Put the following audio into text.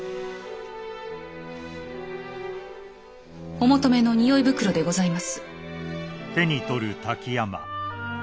お求めの匂い袋でございます。